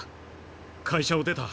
会社を出た。